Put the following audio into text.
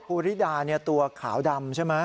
ริดาตัวขาวดำใช่ไหม